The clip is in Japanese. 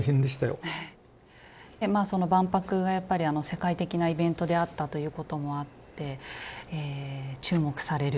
その万博がやっぱり世界的なイベントであったということもあって注目される。